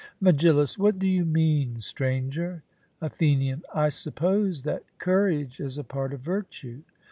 MEGILLUS: What do you mean, Stranger? ATHENIAN: I suppose that courage is a part of virtue?